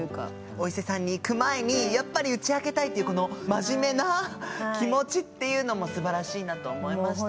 お伊勢さんに行く前にやっぱり打ち明けたいっていうこの真面目な気持ちっていうのもすばらしいなと思いましたし。